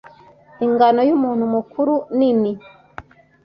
ingano yumuntu mukuru ninini